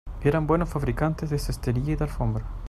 Eran buenos fabricantes de cestería y de alfombras.